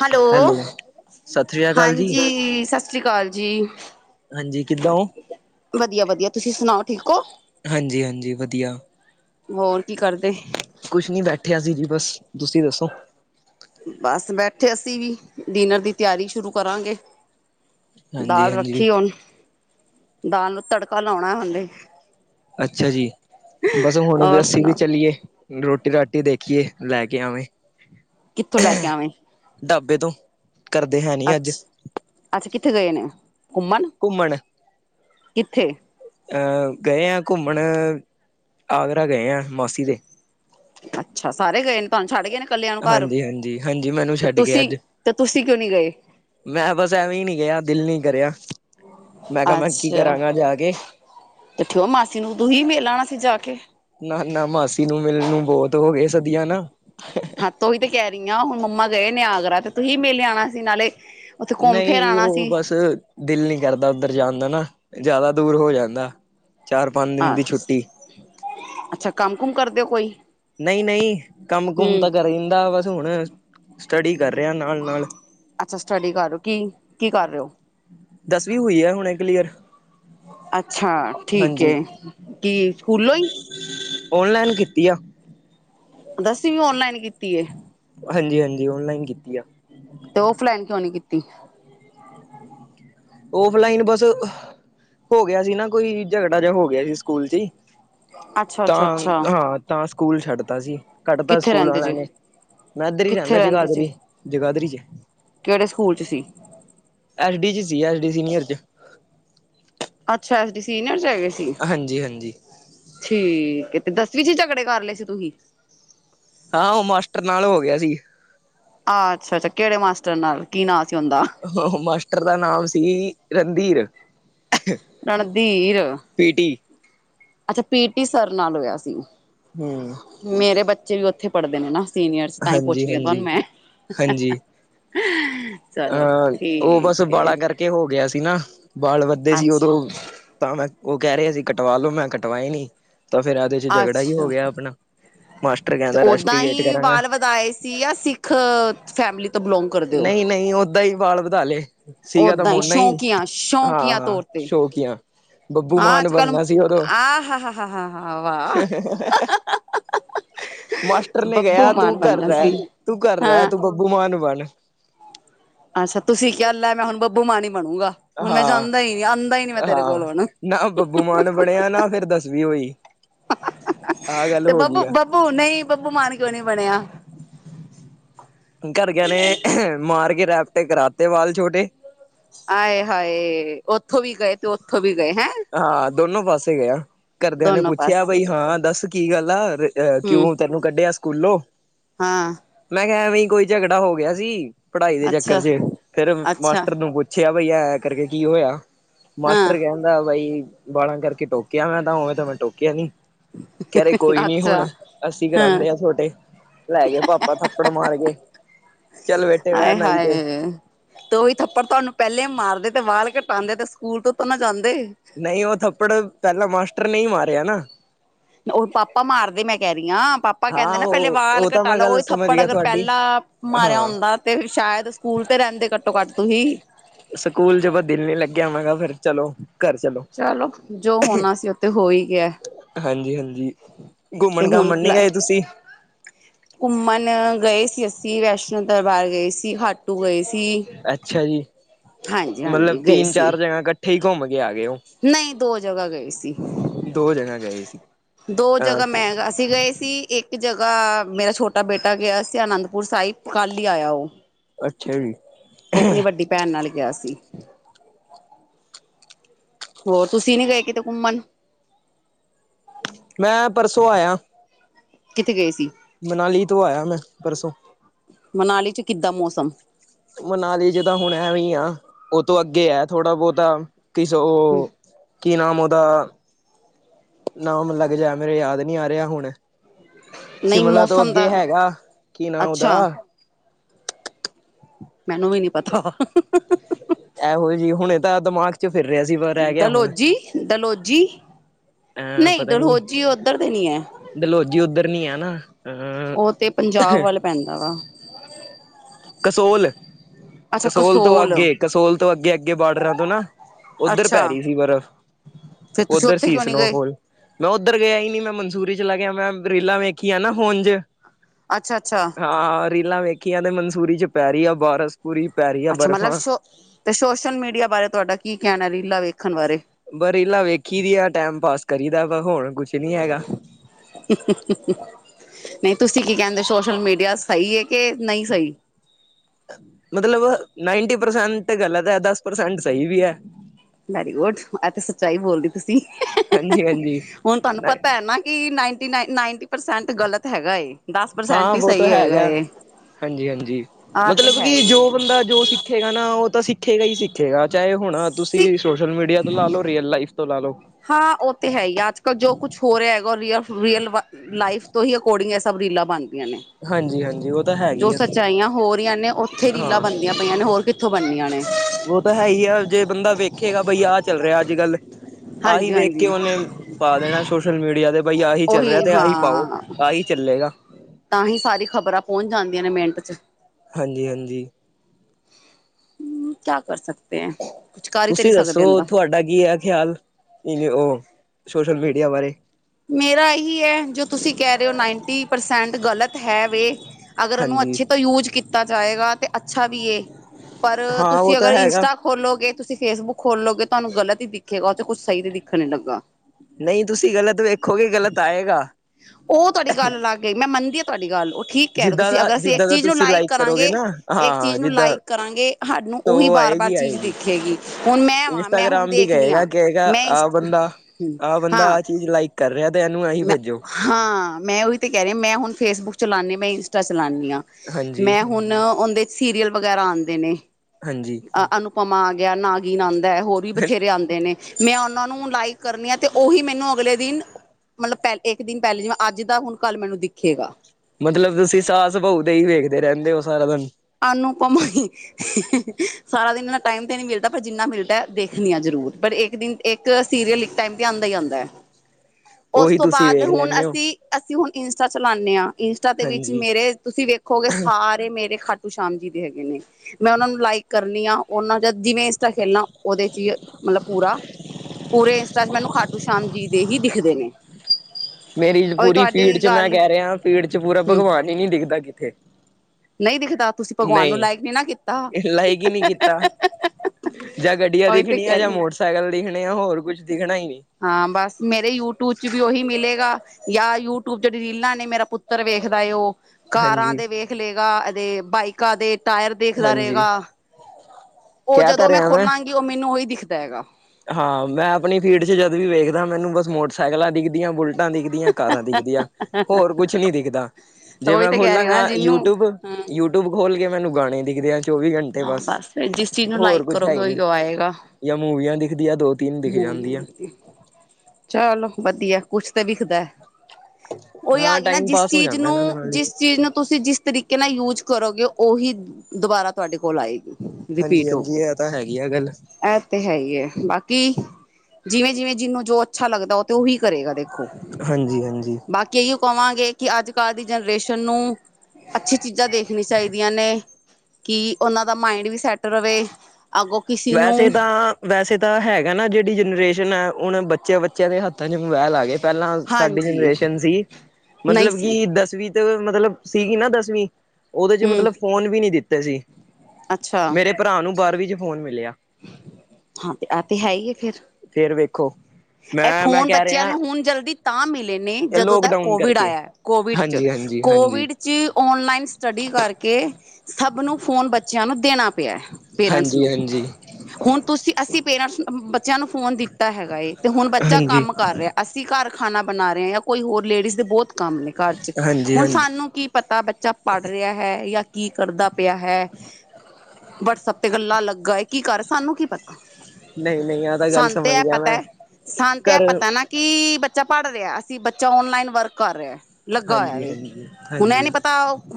Hello, ਸਤਿ ਸ੍ਰੀ ਅਕਾਲ ਜੀ ਹਾਂਜੀ ਸਤਿ ਸ੍ਰੀ ਅਕਾਲ ਜੀ? ਹਾਂਜੀ ਕਿੱਦਾਂ ਹੋ ਜੀ, ਵਧੀਆ-ਵਧੀਆ ਤੁਸੀਂ ਸੁਣਾਓ ਠੀਕ ਹੋ? ਹਾਂਜੀ-ਹਾਂਜੀ ਵਧੀਆ? ਹੋਰ? ਕੀ ਕਰਦੇ ਕੁਛ ਨੀ ਬੈਠਿਆ ਸੀ ਜੀ ਬਸ, ਤੁਸੀਂ ਦੱਸੋ? ਤੇ, ਅਸੀਂ ਵੀ ਡਿਨਰ ਦੀ, ਤਿਆਰੀ ਸ਼ੁਰੂ ਕਰਾਂਗੇ। ਹਾਂਜੀ ਦਾਲ ਹਾਂਜੀ ਰੱਖੀ ਹੁਣ, ਦਾਲ ਨੂੰ ਤੜਕਾ ਲਾਉਣਾ ਹਾਲੇ ਅੱਛਾ ਜੀ, ਬਸ ਹੁਣ ਵੀ ਹੋਰ ਅਸੀਂ ਵੀ ਸੁਣਾਓ ਚੱਲੀਏ। ਰੋਟੀ ਰਾਟੀ, ਦੇਖੀਏ ਲੈ ਕੇ ਆਵੇਂ, ਕਿੱਥੋਂ,, ਲੈ ਕੇ ਆਵੇ? ਢਾਬੇ ਤੋਂ, ਕਰਦੇ ਹੈ ਨੀ ਅੱਛ, ਅੱਜ ਅੱਜ ਕਿੱਥੇ ਗਏ ਨੇ ਘੁੰਮਣ, ਕਿੱਥੇ? ਗਏ ਹਾਂ ਘੁੰਮਣ, ਆਗਰਾ ਗਏ ਹਾਂ, ਮਾਸੀ ਦੇ ਅੱਛਾ, ਸਾਰੇ ਗਏ ਨੇ, ਤੁਹਾਨੂੰ ਛੱਡ ਗਏ ਨੇ? ਇਕੱਲਿਆ ਘਰ ਹਾਂਜੀ ਹਾਂਜੀ ਹਾਂਜੀ ਮੈਨੂੰ ਤੇ ਛੱਡ ਗਿਆ ਤੁਸੀਂ, ਅੱਜ ਤੇ ਤੁਸੀਂ ਕਿਉਂ ਨੀ? ਮੈਂ ਬਸ, ਐਵੇਂ ਹੀ ਨਹੀਂੀ ਗਿਆ ਦਿੱਲੀ? ਮੈਂ ਕਿਹਾ, ਮੈਂ ਕੀ ਅੱਛਾ ਕਰਾਂਗਾ ਜਾ ਕੇ ਤੇ ਕਿਉਂ ਮਾਸੀ ਨੂੰ, ਤੁਵੀ ਹੀ ਮਿਲਾ ਆਣਾ ਸੀ ਜਾ ਕੇ ਨਾ-ਨਾ ਮਾਸੀ ਨੂੰ ਮਿਲਣ ਨੂੰ, ਬਹੁਤ ਹੋ ਗਏ ਸਦੀਆਂ ਨਾ? ਹੋ ਹੀ ਤਾਂ ਕਹਿ ਰਹੀ ਹਾਂ, ਹੁਣ ਮੰਮਾ ਗਏ ਨੇ ਆਗਰਾ, ਤੇ ਤੁਸੀਂ ਮੇਲੇ ਆਣਾ ਸੀ ਨਾਲੇ? ਉੱਥੇ ਘੁੰਮ ਫਿਰ ਨਹੀਂ, ਆਉਣਾ ਉਹ ਸੀ ਬਸ ਦਿੱਲੀ ਕਰਦਾ ਉੱਧਰ ਜਾਂ ਦਾ ਨਾ, ਏ ਜਿਆਦਾ ਦੂਰ ਹੋ ਜਾਂਦਾ। ਚਾਰ, ਪੰਜ, ਦਿਨ ਹਾਂ ਦੀ ਛੁੱਟੀ। ਹੂੰ ਕਰਦੇ ਕੋਈ, ਨਹੀਂ-ਨਹੀਂ ਕੰਮ ਕੁਮ ਹਮ ਤਾਂ ਕਰ ਰਦਾ ਬਸ ਹੁਣ ਸਟੱਡੀ ਕਰ ਰਿਹਾ ਨਾਲ ਨਾਲ ਅੱਛਾ, ਸਟੱਡੀ ਕਰੋ ਕੀ-ਕੀ ਕਰ ਰਹੇ ਹੋ। ਦਸਵੀਂ ਹੋਈ ਹੈ ਹੁਣੇ ਕਲੀਅਰ, ਅੱਛਾ ਠੀਕ ਹਾਂਜੀ ਹੈ ਕੀ ਸਕੂਲੋਂ ਹੀ ਔਨਲਾਈਨ ਕੀਤੀ ਆ ਦਸਵੀ ਵੀ ਔਨਲਾਈਨ ਕੀਤੀ ਐ। ਹਾਂਜੀ-ਹਾਂਜੀ ਔਨਲਾਈਨ ਕੀਤੀ ਆ। ਤੇ ਔਫਲਾਈਨ ਕਿਉਂ ਨੀ ਕੀਤੀ। ਔਫਲਾਈਨ ਬਸ ਹੋ ਗਿਆ ਸੀ ਨਾ ਕੋਈ ਝਗੜਾ ਜਿਹਾ ਹੋ ਗਿਆ ਸੀ ਸਕੂਲ ਚ ਹੀ ਅੱਛਾ ਤਾਂ ਅੱਛਾ ਅੱਛਾ ਹਾਂ ਤਾਂ ਸਕੂਲ ਛੱਡਤਾ ਸੀ ਕੱਢਤਾ ਕਿੱਥੇ ਸਕੂਲ ਰਹਿੰਦੇ ਵਾਲਿਆਂ ਜੇ ਨੇ ਮੈਂ ਇੱਧਰ ਹੀ ਕਿੱਥੇ ਰਹਿੰਦਾ ਰਹਿੰਦੇ ਜੇ ਜਗਾਦਰੀ ਜਗਾਦਰੀ ਚ, ਕਿਹੜੇ ਸਕੂਲ ਚ ਸੀ ਐਸ ਡੀ ਚ ਸੀ ਐਸ ਡੀ ਸੀਨੀਅਰ ਚ, ਅੱਛਾ ਐਡ ਸੀ ਸੀਨੀਅਰ ਚਾਹੀਦੇ ਸੀ ਹਾਂਜੀ ਹਾਂਜੀ ਠੀਕ, ਕਿਤੇ ਦਸਵੀਂ ਸੀ ਝਗੜੇ ਕਰ ਲਏ ਸੀ ਤੁਸੀਂ, ਹਾਂ ਉਹ ਮਾਸਟਰ ਨਾਲ ਹੋ ਗਿਆ ਸੀ। ਅੱਛਾ -ਅੱਛਾ ਕਿਹੜੇ ਮਾਸਟਰ ਨਾਲ ਕੀ ਨਾ ਮਾਸਟਰ ਦਾ ਨਾਮ ਸੀ ਰਣਧੀਰ [inaudible] ਰਣਧੀਰ ਪੀਟੀ ਅੱਛਾ ਪੀਟੀ ਸਰ ਨਾਲ ਹੋਇਆ ਸੀ ਹਮ ਮੇਰੇ ਬੱਚੇ ਵੀ ਉੱਥੇ ਪੜ੍ਹਦੇ ਨੇ ਨਾ ਸੀਨੀਅਰ 'ਚ ਤਾਂ ਹੀ ਪੁੱਛ ਹਾਂਜੀ ਗਿਆ ਹਾਂਜੀ ਤੁੋਾਨੂੰ ਮੈਂ [inaudible] ਹਾਂਜੀ ਚਲੋ ਅਹ ਉਹ ਬਸ ਠੀਕ ਏ ਬਾਲਾਂ ਕਰਕੇ ਹੋ ਗਿਆ ਸੀ ਨਾ ਬਾਲ ਵੱਧਦੇ ਸੀ ਉਦੋਂ ਅੱਛਾ ਤਾਂ ਮੈਂ ਉਹ ਕਹਿ ਰਿਹਾ ਸੀ ਕਟਵਾ ਲੋੋ ਮੈਂ ਕਟਵਾਏ ਨੀ। ਤਾਂ ਫੇਰ ਇਹਦੇ 'ਚ ਝਗੜਾ ਹੀ ਹੋ ਅੱਛਾ ਗਿਆ ਆਪਣਾ ਮਾਸਟਰ ਕਹਿੰਦਾ ਰੈਸਟੀਗੇਟ ਕਰਾਂਗਾ। ਆਏ ਸੀ ਜਾਂ ਸਿੱਖ ਫੈਮਿਲੀ ਤੋਂ ਬਿਲੋਂਗ ਕਰਦੇ ਹੋ ਨਹੀਂ- ਨਹੀਂ ਓਦਾਂ ਹੀ ਵਾਲ ਵਧਾ ਲਏ। ਸੀਗਾ ਤਾਂ ਓਦਾਂ ਮੋਨਾ ਹੀ ਸ਼ੌਕੀਆਂ ਹਾਂ ਸ਼ੌਕੀਆਂ -ਹਾਂ ਤੌਰ ਤੇ ਸ਼ੋਕੀਆਂ ਬੱਬੂ ਹਾਂ ਮਹਾਨ ਅੱਜ ਕੱਲ ਬਣਨਾ ਸੀ ਉਦੋਂ ਆ ਹਾ ਹਾ ਹਾ ਹਾ ਹਾ ਵਾਹ ਮਾਸਟਰ ਨੇ ਬੱਬੂ ਕਿਹਾ ਮਾਨ ਤੂੰ ਘਰ ਬਣਨਾ ਰਹਿ ਸੀ ਤੂੰ ਘਰ ਰਹਿ ਹਾਂ ਤੂੰ ਬੱਬੂ ਮਾਂ ਨੂੰ ਬਣ ਅੱਛਾ ਤੁਸੀਂ ਕਿਆ ਲੈ ਮੈਂ ਹੁਣ ਬੱਬੂ ਮਾਣ ਈ ਬਣੂਗਾ। ਹੁਣ ਮੈਂ ਹਾਂ ਜਾਂਦਾ ਹੀ ਨੀ ਆਉਂਦਾ ਹੀ ਨੀ ਮੈਂ ਤੇਰੇ ਕੋਲ -ਹਾਂ ਹੁਣ ਨਾ ਬੱਬੂ ਮਾਨ ਬਣਿਆ ਨਾ ਫਿਰ ਦਸਵੀਂ ਹੋਈ। ਆਹ ਗੱਲ ਤੇ ਹੋ ਗਈ ਬੱਬੂ- ਆ ਬੱਬੂ ਨਹੀਂ ਬੱਬੂ ਮਾਨ ਕਿਉਂ ਨੀ ਬਣਿਆ। ਘਰ ਕਿਆਂ ਨੇ ਮਾਰ ਕੇ ਰੈਪਟੇ ਕਰਾਤੇ ਵਾਲ ਛੋਟੇ ਆਏ ਹਾਏ ਉੱਥੋਂ ਵੀ ਗਏ ਤੇ ਉੱਥੋਂ ਵੀ ਗਏ। ਹੈਂ ਹਾਂ ਦੋਨੋ ਪਾਸੇ ਗਿਆ। ਘਰਦਿਆਂ ਨੇ ਦੋਨੋ ਪੁੱਛਿਆ ਪਾਸੇ ਬਈ ਗਏ ਹਾਂ ਦੱਸ ਕੀ ਗੱਲ ਆ ਹਮ ਕਿਉਂ ਤੈਨੂੰ ਕੱਢਿਆ ਸਕੂਲੋਂ ਹਾਂ ਮੈਂ ਕਿਹਾ ਵੀ ਕੋਈ ਝਗੜਾ ਹੋ ਗਿਆ ਸੀ ਪੜ੍ਹਾਈ ਦੇ ਚੱਕਰ ਅੱਛਾ ਚ ਫੇਰ ਅੱਛਾ ਮਾਸਟਰ ਨੂੰ ਪੁੱਛ ਪੁਛਿਆ ਬਈ ਐਂ ਕਰਕੇ ਕੀ ਹੋਇਆ ਹਾਂ ਮਾਸਟਰ ਕਹਿਣ ਬਾਈ ਬਾਲਾਂ ਕਰਕੇ ਟੋਕਿਆ ਮੈਂ ਤਾਂ ਉਵੇਂ ਤਾਂ ਮੈਂ ਟੋਕਿਆ ਨੀ। ਕਰੇ ਕੋਈ ਨੀ ਹੁਣ ਅੱਛਾ ਅੱਸੀ ਹਾਂ ਕਰਾਉਂਦੇ ਆ ਛੋਟੇ ਲੈ ਗਏ ਪਾਪਾ ਥੱਪੜ ਮਾਰ ਕੇ ਚੱਲ ਬੇਟੇ ਬਹਿ ਆਏ ਨਾਈ ਤੇ ਹਾਏ ਤੇ ਉਹੀ ਥੱਪੜ ਤੁਹਾਨੂੰ ਪਹਿਲੇ ਮਾਰ ਦਿੱ ਤੇ ਵਾਲ ਘਟਾਂਦੇ ਤੇ ਸ ਸਕੂਲ ਤੋਂ ਉੱ ਨ ਜਾਂ ਨਹੀਂ ਉਹ ਥੱਪੜ ਪਹਿਲਾਂ ਮਾਸਟਰ ਨੇ ਮਾਰਿਆ ਨਾ। ਉਹ ਪਾਪਾ ਮਾਰਦੇ ਮੈਂ ਕਹਿ ਪਾਪਾ ਹਾਂ ਕਹਿੰਦੇ ਨਾ ਪਹਿਲੇ ਉਹ ਵਾਲ ਉਹ ਤਾਂ ਕੱਟਾ ਮੈਂ ਲਾ ਗੱਲ ਉਹੀ ਸਮਝ ਥੱਪੜ ਗਿਆ ਅਗਰ ਤੁਹਾਡੀ ਪਹਿਲਾਂ ਮਾਰਿਆ ਹਾਂ ਹੁੰਦਾ ਤੇ ਫੇਰ ਸ਼ਾਇਦ ਸ਼ਾਇਦ ਸਕੂਲ ਤੇ ਰਹਿੰਦੇ ਘੱਟੋ ਘੱਟ ਤੁਹੀ ਸਕੂਲ ਜ ਬ ਦਿਲ ਨੀ ਲੱਗਿਆ ਮੈਂ ਕਿਹਾ ਫਿਰ ਚਲੋ। ਘਰ ਚਲੋ ਜੋ ਹੋਣਾ ਸੀ ਉਹ ਤੇ ਹੋ ਹੀ ਗਿਆ ਹਾਂਜੀ- ਹਾਂਜੀ ਤੇ ਘੁੰਮਣ ਹੁਣ ਘਾਮਣ ਨੀ ਪਲਾ ਗਏ ਤੁਸੀਂ ਘੁੰਮਣ ਗਏ ਸੀ ਅਸੀਂ ਵੈਸ਼ਨੋ ਦਰਬਾਰ ਗਏ ਸੀ ਖਾਟੂ ਗਏ ਸੀ। ਅੱਛਾ ਜੀ ਹਾਂਜੀ-ਹਾਂਜੀ ਮਤਲਬ ਗਏ ਤਿੰਨ ਸੀ ਚਾਰ ਜਗਾ ਇਕੱਠੇ ਹੀ ਘੁੰਮ ਕੇ ਆ ਗਏ ਉਹ ਨਹੀਂ ਦੋ ਜਗ੍ਹਾ ਗਏ ਸੀ। ਦੋ ਦਿਨ ਗਏ ਸੀ। ਦੋ ਅ ਜਗ੍ਹਾ ਮੈਂ ਗਾ ਅਸੀਂ ਗਏ ਸੀ ਇੱਕ ਇੱਕ ਜਗ੍ਹਾ ਮੇਰਾ ਛੋਟਾ ਬੇਟਾ ਗਿਆ ਸੀ ਅਨੰਦਪੁਰ ਸਾਹਿਬ ਕੱਲ ਹੀ ਆਇਆ ਉਹ ਅੱਛੇ ਵੀ ਉਹ ਆਪਣੀ ਵੱਡੀ ਭੈਣ ਨਾਲ ਗਿਆ ਸੀ। ਹੋਰ ਤੁਸੀਂ ਨੀ ਗਏ ਕਿਤੇ ਘੁੰਮਣ ਮੈਂ ਪਰਸੋਂ ਆਇਆ। ਕਿੱਥੇ ਗਏ ਸੀ। ਮਨਾਲੀ ਤੋਂ ਆਇਆ ਮੈਂ ਪਰਸੋਂ ਮਨਾਲੀ 'ਚ ਕਿੱਦਾਂ ਮੌਸਮ ਮਨਾਲੀ ਜਦ ਹੁਣ ਐਂ ਵੀਂ ਆ ਉਹ ਤੋਂ ਅੱਗੇ ਹੈ ਥੋੜਾ ਬਹੁਤਾ ਕਿਸ ਉਹ ਕੀ ਨਾਮ ਉਹਦਾ ਨਾਮ ਲੱਗ ਜਾਇ ਮੇਰੇ ਯਾਦ ਨਹੀਂ ਆ ਰਿਹਾ ਹੁਣ ਨਹੀਂ ਸ਼ਿਮਲਾ ਤੋਂ ਮੌਸਮ ਦਾ ਅੱਗੇ ਹੈਗਾ ਕੀ ਨ ਉਹਦਾ ਅੱਛਾ ਮੈਨੂੰ ਵੀ ਨੀ ਪਤਾ। ਇਹੋ ਜਿਹੀ ਹੁਣੇ ਤਾਂ ਦਿਮਾਗ ਚ ਫਿਰ ਰਿਹਾ ਸੀ ਪਰ ਰਹਿ ਗਿਆ ਹੁਣ ਡਲਹੋਜੀ-ਡਲਹੋਜੀ ਹਂ ਨਹੀਂ ਪਤਾ ਨੀ ਡਲਹੋਜੀ ਉੱਧਰ ਤੇ ਨੀ ਹੈ ਡਲੋਜੀ ਉੱਧਰ ਨੀ ਆ ਨਾ। ਅਹ ਉਹ ਤੇ ਪੰਜਾਬ ਵੱਲ ਪੈਂਦਾ ਵਾ। ਕਸੋਲ ਕਸੋਲ ਤੋਂ ਅੱਗੇ ਕਸੋਲ ਤੋਂ ਅੱਗੇ ਅੱਗੇ ਬਾਰਡਰਾਂ ਤੋਂ ਨਾ ਉੱਧਰ ਅੱਛਾ ਪੈ ਰਹੀ ਸੀ ਬਰਫ। ਫੇਰ ਤੁਸੀਂ ਉੱਧਰ ਉੱਥੇ ਸੀ ਕਿਉਂ ਨਹੀਂ ਗਏ ਸਨੋਫਾਲ ਮੈਂ ਉੱਧਰ ਗਿਆ ਹੀ ਨੀ ਮੈਂ ਮਨਸੂਰੀ ਚਲਾ ਗਿਆ ਮੈਂ ਰੀਲਾਂ ਵੇਖੀਆਂ ਨਾ ਹੋਨ ਚ ਅੱਛਾ ਅੱਛਾ ਹਾਂ ਰੀਲਾਂ ਵੇਖੀਆਂ ਤੇ ਮਨ ਸੂਰੀ ਚ ਪੈ ਰਹੀ ਆ ਬਾਰਸ਼। ਅੱਛਾ ਮਤਲਬ ਸੋ ਤੇ ਸੋਸ਼ਲ ਮੀਡੀਆ ਬਾਰੇ ਤੁਹਾਡਾ ਕੀ ਕਹਿਣਾ ਹੈ ਰੀਲਾ ਵੇਖ ਬ ਰੀਲਾਾਂ ਵੇਖੀ ਦੀ ਆ ਟੈਮ ਪਾਸ ਕਰੀ ਦਾ ਵਾ ਹੁਣ ਕੁਛ ਨੀ ਹੈਗਾ। [inaudible] ਨਹੀਂ ਤੁਸੀਂ ਕੀ ਕਹਿੰਦੇ ਸੋਸ਼ਲ ਮੀਡੀਆ ਸਹੀ ਹੈ ਕਿ ਨਹੀਂ ਸਹੀ? ਮਤਲਬ ਨਾਈਨਟੀ ਪ੍ਰਸੈਂਟ ਗਲਤ ਹੈ ਦਸ ਪ੍ਰਸੈਂਟ ਸਹੀ ਵੀ ਹੈ। ਵੈਰੀ ਗੁੱਡ ਐ ਤੇ ਸੱਚਾਈ ਬੋਲਦੀ ਤੁਸੀਂ। ਹਾਂਜੀ ਹਾਂਜੀ। ਹੁਣ ਤੁਹਾਨੂੰ ਪਤਾ ਹੈ ਨਾ ਕਿ ਨਾਈਨਟੀ ਨਾਈਨ ਪ੍ਰਸੈਂਟ ਗ਼ਲਤ ਹੈਗਾ ਏ ਦਸ ਪ੍ਰਸੈਂਟ ਹਾਂ ਹੀ ਵੋ ਤਾਂ ਸਹੀ ਹੈਗਾ ਏ। ਹਾਂਜੀ ਹਾਂਜੀ ਆਹ ਤੇ ਮਤਲਬ ਹੈ ਕਿ ਹੀ ਜੋ ਏ ਬੰਦਾ ਜੋ ਸਿੱਖੇਗਾ ਨਾ ਉਹ ਤਾਂ ਸਿੱਖ ਸਿੱਖੇਗਾ ਹੀ ਸਿੱਖੇਗਾ ਚਾਹੇ ਹੁਣ ਸੀ ਤੁਸੀਂ ਸੋਸ਼ਲ ਮੀਡੀਆ ਤੋਂ ਲਾ ਲਓ ਰੀਅਲ ਲਾਈਫ ਤੋਂ ਲਾ ਲਓ। ਹਾਂ ਉਹ ਤੇ ਹੈ ਹੀ ਅੱਜ ਕੱਲ੍ਹ ਜੋ ਕੁਛ ਹੋ ਰਿਹਾ ਹੈਗਾ ਰਅਲ ਰੀਅਲ ਵ ਲਾਈਫ ਤੋਂ ਹੀ ਅਕੋਰਡਿੰਗ ਇਹ ਸਭ ਰੀਲਾਂ ਬਣਦੀਆਂ। ਨੇ ਹਾਂਜੀ ਹਾਂਜੀ। ਉਹ ਤਾਂ ਜੋ ਹੈਗੀ ਆ ਸੱਚਾਈਆਂ ਹੋ ਰਹੀਆਂ ਨੇ ਉੱਥੇ ਰੀਲਾਂ ਹਾਂ ਬਣਦੀਆਂ ਪਈਆਂ ਨੇ ਹੋਰ ਕਿੱਥੋਂ ਬਣੀਆਂ ਨੇ। ਉਹ ਤਾਂ ਹੈ ਹੀ ਆ ਜੇ ਬੰਦਾ ਵੇਖੇਗਾ ਬਈ ਆਹ ਚੱਲ ਰਿਹਾ ਅੱਜ ਕੱਲ੍ਹ। ਆਹੀ ਹਾਂਜੀ ਵੇਖ ਕੇ ਹਾਂਜੀ ਉਹਨੇ ਪਾ ਦੇਣਾ ਸੋਸ਼ਲ ਮੀਡੀਆ ਦੇ। ਬਈ ਆਹੀ ਚੱਲ ਰਿਹਾ ਉਹੀ ਤੇ ਆਹੀ ਪਾਓ ਆਹੀ ਚੱਲੇਗਾ। ਅਸੀਂ ਸਾਰੀ ਖ਼ਬਰਾਂ ਪਹੁੰਚ ਜਾਂਦੀਆਂ ਨੇ ਮਿੰਟ ਚ। ਹਾਂਜੀ ਹਾਂਜੀ। ਹਮ ਕਿਆ ਕਰ ਸਕਤੇ ਹੈ। ਕੁਛ ਕਰ ਹੀ ਤੇ ਤੁਸੀਂ ਨਹੀਂ ਦੱਸੋ ਸਕਦੇ ਅੰਦਾ ਤੁਹਾਡਾ ਕੀ ਹੈ ਖਿਆਲ ਉਹ ਸੋਸ਼ਲ ਮੀਡੀਆ ਬਾਰੇ? ਮੇਰਾ ਇਹੀ ਹੈ ਜੋ ਤੁਸੀਂ ਕਹਿ ਰਹੇ ਹੋ ਨਾਈਨਟੀ ਪਰਸੈਂਟ ਗਲਤ ਹੈ ਵੇ ਅਗਰ ਉਹਨੂੰ ਹਾਂਜੀ ਅੱਛੇ ਤੋਂ ਯੂਜ ਕੀਤਾ ਜਾਏਗਾ ਤੇ ਅੱਛਾ ਵੀ ਏ ਪਰ ਹਾਂ ਉਹ ਤੁਸੀਂ ਤਾਂ ਅਗਰ ਹੈਗਾ ਇੰਸਟਾ ਖੋਲੋਗੇ ਤੁਸੀਂ ਫੇਸਬੁੱਕ ਖੋਲੋਗੇ ਤੁਹਾਨੂੰ ਗਲਤ ਹੀ ਦਿਖੇਗਾ ਉਹ ਚ ਕੁਛ ਸਹੀ ਤੇ ਦਿਖਣ ਨੀ ਲੱਗਾ। ਨਹੀਂ ਤੁਸੀਂ ਗ਼ਲਤ ਵੇਖੋਗੇ ਗ਼ਲਤ ਆਏਗਾ। ਉਹ ਤੁਹਾਡੀ ਗੱਲ ਲੱਗ ਗਈ ਮੈਂ ਮੰਨਦੀ ਹਾਂ ਤੁਹਾਡੀ ਗੱਲ ਉਹ ਠੀਕ ਕਹਿ ਜਿੱਦਾਂ ਤੁਸੀਂ ਦਾ ਅਗਰ ਅਸੀਂ ਇੱਕ ਜਿੱਦਾਂ ਦਾ ਚੀਜ਼ ਨੂੰ ਤੁਸੀਂ ਲਾਈਕ ਕਰਾਂਗੇ ਕਰੋਗੇ ਨਾ ਹਾਂ ਇੱਕ ਹਾਂ ਚੀਜ਼ ਨੂੰ ਜਿੱਦਾਂ ਲਾਈਕ ਕਰਾਂਗੇ ਸਾਨੂੰ ਤਾਂ ਉਹੀ ਉਹ ਬਾਰ ਬਾਰ ਆਏਗੀ ਚੀਜ਼ ਆਏਗੀ ਦੇਖੇਗੀ। ਹੁਣ ਮੈਂ ਵਾਂ ਮੈਂ ਹੁਣ ਇੰਸਟਾਗ੍ਰਾਮ ਵੀ ਦੇਖਣੀ ਕਹੇਗਾ ਆ ਕਹੇਗਾ ਮੈਂ ਇਸ ਆਹ ਬੰਦਾ ਆਹ ਬੰਦਾ ਹਾਂ। ਆਹ ਚੀਜ਼ ਲਾਈਕ ਕਰ ਰਿਹਾ ਤੇ ਇਹਨੂੰ ਇਹੀ ਮੈਂ ਭੇਜੋ ਹਾਂ ਮੈਂ ਉਹੀ ਤੇ ਕਹਿ ਰਹੀ ਮੈਂ ਹੁਣ ਫੇਸਬੁੱਕ ਚਲਾਨੀ ਮੈਂ ਇੰਸਟਾ ਚਲਾਨੀ ਹਾਂਜੀ ਮੈਂ ਹੁਣ ਉਹਦੇ ਸੀਰੀਅਲ ਵਗੈਰਾ ਆਉਂਦੇ ਨੇ। ਹਾਂਜੀ ਅ ਅਨੁਪਮਾ ਆ ਗਿਆ ਨਾਗੀਨ ਆਂਦਾ ਹੈ ਹੋਰ ਵੀ ਬਥੇਰੇ ਆਉਂਦੇ ਨੇ। ਮੈਂ ਉਹਨਾਂ ਨੂੰ ਲਾਈਕ ਕਰਨੀ ਆ ਤੇ ਉਹੀ ਮੈਨੂੰ ਅਗਲੇ ਦਿਨ ਮਤਲਬ ਪਹਿ ਇੱਕ ਦਿਨ ਪਹਿਲੇ ਜਿਵੇਂ ਅੱਜ ਦਾ ਹੁਣ ਕੱਲ੍ਹ ਮੈਨੂੰ ਦੇਖੇਗਾ। ਮਤਲਬ ਤੁਸੀਂ ਸਾਸ ਬਹੂ ਦੇ ਹੀ ਵੇਖਦੇ ਰਹਿੰਦੇ ਉਹ ਸਾਰਾ ਦਿਨ। ਆਨੂੰ ਕਮਇ ਸਾਰਾ ਦਿਨ ਟਾਇਮ ਤੇ ਨਹੀਂ ਮਿਲਦਾ ਪਰ ਜਿੰਨਾ ਮਿਲਦਾ ਦੇਖਣੀ ਆ ਜ਼ਰੂਰ ਪਰ ਇੱਕ ਦਿਨ ਇੱਕ ਸੀਰੀਅਲ ਇੱਕ ਟਾਈਮ ਤੇ ਆਉਂਦਾ ਹੀ ਆਉਦਾ। ਉਸ ਉਹੀ ਤੋਂ ਤੁਸੀਂ ਬਾਅਦ ਵੇਖ ਹੁਣ ਲੈਂਦੇ ਹੋ ਅਸੀਂ ਅਸੀਂ ਹੁਣ ਇੰਸਟਾ ਚਲਾਉਾਨਦੇ ਹਾਂ ਇੰਸਟਾ ਦੇ ਵਿੱਚ ਹਾਂਜੀ ਮੇਰੇ ਤੁਸੀਂ ਵੇਖੋ ਹੋਗੇ ਸਾਰੇ ਮੇਰੇ ਖਾਟੂ ਸ਼ਾਮ ਜੀ ਦੇ ਹੈਗੇ ਨੇ। ਮੈਂ ਉਹਨਾਂ ਨੂੰ ਲਾਈਕ ਕਰਨੀ ਆ, ਉਹਨਾਂ ਜ ਜਿਵੇਂ ਇੰਸਟਾ ਖੇਲਣਾ ਉਹਦੇ ਚ ਹੀ ਮਤਲਬ ਪੂਰਾ ਪੂਰੇ ਮੈਨੂੰ ਖਾਟੂ ਸ਼ਾਮ ਜੀ ਦੇ ਹੀ ਦਿਖਦੇ ਨੇ। ਮੇਰੀ ਉਹੀ ਪੂਰੀ ਫੀਡ ਤੁਹਾਡੀ ਚ ਮੈਂ ਗੱਲ ਕਹਿ ਰਿਹਾ ਫੀਡ ਚ ਪੂਰਾ ਹਮ ਭਗਵਾਨ ਹੀ ਨੀ ਦਿਖਦਾ ਕਿੱਥੇ। ਨਹੀਂ ਦਿਖਦਾ ਤੁਸੀਂ ਭਗਵਾਨ ਨੂੰ ਲਾਇਕ ਨਈ ਨਾ ਕੀਤਾ। ਲਾਈਕ ਹੀ ਨਹੀਂ ਕੀਤਾ ਜਾਂ ਗੱਡੀਆਂ ਉਹੀ ਤੇ ਦਿਖਣੀਆਂ ਕਹਿ ਜਾਂ ਰਹੀ ਹਾਂ। ਮੋਟਰਸਾਈਕਲ ਦਿਖਣੇ ਆ, ਹੋਰ ਕੁਛ ਦਿਖਣਾ ਹੀ ਨਹੀਂ ਹਾਂ ਬਸ ਮੇਰੇ ਯੂਟਿਊਬ ਚ ਵੀ ਉਹੀ ਮਿਲੇਗਾ ਜਾਂ ਯੂਟਿਊਬ ਜਿਹੜੀ ਰੀਲਾਂ ਨੇ ਮੇਰਾ ਪੁੱਤਰ ਵੇਖਦਾ ਏ ਉਹ, ਕਾਰਾਂ ਹਾਂਜੀ ਦੇ ਵੇਖ ਲੇਗਾ ਤੇ ਬਾਈਕਾਂ ਦੇ ਟਾਇਰ ਦੇਖਦਾ ਹਾਂਜੀ ਰਹੇਗਾ। ਉਹ ਕਹਿ ਤਾਂ ਜਦੋਂ ਮੈਂ ਰਿਹਾ ਖੋਲਾਂਗੀ ਉਹ ਮੈਨੂੰ ਉਹੀ ਦਿਖਦਾ ਹੈਗਾ। ਹਾਂ ਮੈਂ ਆਪਣੀ ਫੀਡ ਚ ਜਦ ਵੀ ਵੇਖਦਾ ਮੈਨੂੰ ਬਸ ਮੋਟਰਸਾਈਕਲਾਂ ਦਿਖਦੀਆਂ, ਬੁਲਟ ਦਿਖਦੀਆਂ ਕਾਰਾਂ ਦਿਖਦੀਆਂ ਹੋਰ ਕੁਛ ਨੀ ਦਿਖਦਾ ਤਾਂ ਜੇ ਉਹੀ ਮੈਂ ਤਾਂ ਕਹਿ ਰਹੀ ਨਾ ਖੋਲਾਂਗਾ ਜਿਹਨੂੰ ਯੂਟਿਊਬ, ਯੂਟਿਊਬ ਖੋਲ ਕੇ ਮੈਨੂੰ ਗਾਣੇ ਦਿਖਦੇ ਆ ਚੌਵੀ ਘੰਟੇ ਤੇ ਹਾਂ ਬਸ ਫਿਰ ਜਿਸ ਚੀਜ਼ ਨੂੰ ਹੋਰ ਲਾਈਕ ਕੁਛ ਹੈ ਕਰੋਗੇ ਹੀ ਉਹੀ ਨਹੀਂ, ਜਾਂ ਮੂਵੀਆਂ ਦਿਖ ਦਿਖਦੀ ਆ ਦੋ ਤਿੰਨ ਜਾਂਦੀਆਂ ਚੱਲੋ ਵਧੀਆ, ਕੁਛ ਤਾਂ ਦੀਖਦਾ ਏ ਉਹੀ ਆ ਹਾਂ ਗਈ ਨਾ ਟਾਈਮ ਜਿਸ ਪਾਸ ਹੋ ਚੀਜ਼ ਜਾਂਦਾ ਨੂੰ ਇਹਨਾਂ ਦੇ ਨਾਲ ਹੀ ਜਿਸ ਚੀਜ਼ ਨੂੰ ਤੁਸੀਂ ਜਿਸ ਤਰੀਕੇ ਨਾਲ ਯੂਜ ਕਰੋਗੇ, ਉਹੀ ਦੁਬਾਰਾ ਤੁਹਾਡੇ ਕੋਲ ਆਏਗੀ। ਹਾਂਜੀ ਰਿਪੀਟ ਹੋ ਹਾਂਜੀ ਕੇ। ਇਹ ਤਾਂ ਹੈਗੀ ਆ ਗੱਲ ਇਹ ਤੇ ਹੈ ਹੀ ਹੈ, ਬਾਕੀ ਕਿ ਜਿਵੇਂ ਜਿਵੇਂ ਜਿਹਨੂੰ ਜੋ ਅੱਛਾ ਲੱਗਦਾ ਓ ਤੇ ਉਹੀ ਕਰੇਗਾ ਦੇਖੋ ਹਾਂਜੀ ਹਾਂਜੀ ਬਾਕੀ ਇਹੀਓ ਕਵਾਂਗੇ ਕਿ ਅੱਜ ਕੱਲ੍ਹ ਦੀ ਜਨਰੇਸ਼ਨ ਨੂੰ ਅੱਛੀ ਚੀਜ਼ਾਂ ਦੇਖਣੀ ਚਾਹੀਦੀਆਂ ਨੇ। ਕਿ ਉਹਨਾਂ ਦਾ ਮਾਇੰਡ ਵੀ ਸੈਟ ਰਵੈ ਵੈਸੇ ਤਾਂ ਵੈਸੇ ਤਾਂ ਹੈਗਾ ਨਾ ਜਿਹੜੀ ਜਨਰੇਸ਼ਨ ਹੈ ਹੁਣ ਬੱਚਿਆਂ ਬੱਚਿਆਂ ਦੇ ਹੱਥਾਂ ਚ ਮੋਬਾਇਲ ਆ ਗਏ ਪਹਿਲਾਂ ਸਾਡੀ ਹਾਂਜੀ ਜਨਰੇਸ਼ਨ ਸੀ, ਨਹੀਂ ਮਤਲਬ ਸੀ ਕਿ ਦਸਵੀਂ ਤੇ ਮਤਲਬ ਸੀਗੀ ਨਾ ਦਸਵੀਂ ਉਹਦੇ ਚ ਹਮ ਮਤਲਬ ਫੋਨ ਵੀ ਨੀ ਦਿੱਤੇ ਸੀ। ਅੱਛਾ ਮੇਰੇ ਭਰਾ ਨੂੰ ਬਾਰਵੀ ਚ ਫੋਨ ਮਿਲਿਆ ਹਾਂ ਏ ਤੇ ਹੈ ਹੀ ਏ ਫਿਰ। ਫੇਰ ਵੇਖੋ ਇਹ ਮੈਂ ਮੈਂ ਫੋਨ ਕਹਿ ਬੱਚਿਆਂ ਰਿਹਾ ਨੂੰ ਹੁਣ ਜਲਦੀ ਤਾਂ ਮਿਲੇ ਨੇ ਜਦੋਂ ਦਾੱ ਲੋਕਡਾਊਨ ਕੋਵਿਡ ਕਰਕੇ ਆਇਆ। ਕੋਵਿਡ ਚ, ਹਾਂਜੀ ਹਾਂਜੀ ਹਾਂਜੀ ਕੋਵਿਡ ਚ ਓਨਲਾਈਨ ਸਟੱਡੀ ਕਰਕੇ ਸਭ ਨੂੰ ਫੋਨ ਬੱਚਿਆਂ ਨੂੰ ਦੇਣਾ ਪਿਆ ਪੇਰੈਂਟਸ ਹਾਂਜੀ ਨੂੰ ਹਾਂਜੀ ਹੁਣ ਤੁਸੀਂ ਅਸੀਂ ਪੇਰੈਂਟਸ ਨੂੰ ਬੱਚਿਆਂ ਨੂੰ ਫੋਨ ਦਿੱਤਾ ਹੈਗਾ ਏ ਤੇ ਹੁਣ ਬੱਚਾ ਹਾਂਜੀ, ਕੰਮ ਕਰ ਰਿਹਾ, ਅਸੀਂ ਘਰ ਖਾਣਾ ਬਣਾ ਰਹੇ ਹਾਂ, ਜਾਂ ਕੋਈ ਹੋਰ ਲੇਡੀਜ਼ ਦੇ ਬਹੁਤ ਕੰਮ ਨੇ ਘਰ ਚ ਹਾਂਜੀ, ਹੁਣ ਹਾਂਜੀ। ਸਾਨੂੰ ਕੀ ਪਤਾ ਬੱਚਾ ਪੜ੍ਹ ਰਿਹਾ ਹੈ ਜਾਂ ਕੀ ਕਰਦਾ ਪਿਆ ਹੈ ਵਟਸਐਪ ਤੇ ਗੱਲਾਂ ਲੱਗਾ ਹੈ, ਕੀ ਕਰ ਸਾਨੂੰ ਕੀ ਪਤਾ ਨਹੀਂ- ਨਹੀਂ ਇਹ ਤਾਂ ਗੱਲ ਸਮਝ ਗਿਆ ਮੈਂ ਸਾਨੂ ਤਾ ਇਹ ਕਰ ਪਤਾ ਨਾ ਕਿ ਬੱਚਾ ਪੜ੍ਹ ਰਿਹਾ, ਅਸੀਂ ਬੱਚਾ ਔਨਲਾਈਨ ਵਰਕ ਕਰ ਰਿਹਾ ਲੱਗਾ ਹੋਇਆ ਹਾਂਜੀ, ਵੇ, ਹਾਂਜੀ, ਹੁਣ ਇਹ ਹਾਂਜੀ। ਨੀ ਪਤਾ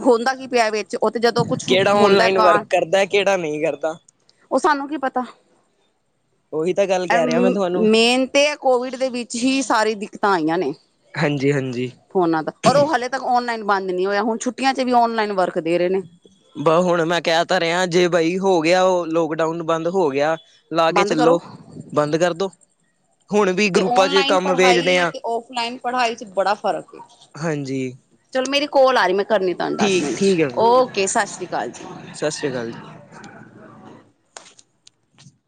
ਹੁੰਦਾ ਕੀ ਪਿਆ ਵਿੱਚ, ਉਹ ਤੇ ਜਦੋਂ ਕੁਛ ਹੁੰਦਾ ਕ ਫਰਕ ਕਰਦਾ, ਕਿਹੜਾ ਨਹੀਂ ਕਰਦਾ। ਉਹ ਸਾਨੂੰ ਕੀ ਪਤਾ ਉਹੀ ਤਾਂ ਗੱਲ ਕਹਿ ਰਿਹਾ ਮੈਂ ਤੁਹਾਨੂੰ ਮੇਨ ਤਾਂ ਕੋਵਿਡ ਦੇ ਵਿੱਚ ਹੀ ਸਾਰੀ ਦਿੱਕਤਾਂ ਆਈਆਂ ਨੇ। ਹਾਂਜੀ, ਹਾਂਜੀ। ਫੋਨਾ ਦਾ, ਪਰ ਉਹ ਹਾਲੇ ਤੱਕ ਔਨਲਾਈਨ ਬੰਦ ਨੀ ਹੋਇਆ, ਹੁਣ ਛੁੱਟੀਆਂ ਚ ਵੀ ਔਨਲਾਈਨ ਵਰਕ ਦੇ ਰਹੇ ਨੇ ਬਹੁ ਹੁਣ ਮੈਂ ਕਹਿ ਤਾਂ ਰਿਹਾ ਜੇ ਬਈ ਹੋ ਗਿਆ, ਉਹ ਲੋਕਡਾਊਨ ਬੰਦ ਹੋ ਗਿਆ ਲਾ ਕੇ ਬੰਦ ਚੱਲੋ, ਕਰੋ ਬੰਦ ਕਰਦੋ। ਹੁਣ ਵੀ ਤੇ ਗਰੁੱਪਾਂ ਚ ਔਨਲਾਈਨ ਕੰਮ ਵੇਚਦੇ ਪੜ੍ਹਾਈ ਆ ਤੇ ਔਫਲਾਈਨ ਪੜ੍ਹਾਈ ਚ ਬੜਾ ਫ਼ਰਕ ਏ। ਹਾਂਜੀ। ਚਲੋ ਮੇਰੀ ਕੋਲ ਆ ਰਹੀ ਮੈਂ ਕਰਨੀ ਤੁਹਾਨੂੰ ਦਸ ਠੀਕ, ਮਿੰਟ ਠੀਕ ਹੈ। ਚ, ਔਕੇ। ਕੇ ਸਤਿ ਸ਼੍ਰੀ ਅਕਾਲ ਜੀ। ਸਤਿ ਸ੍ਰੀ ਅਕਾਲ ਜੀ।